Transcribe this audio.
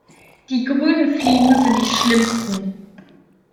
Die grünen Fliegen sind die schlimmsten.